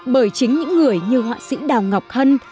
bởi chính những người như họa sĩ đào ngọc hân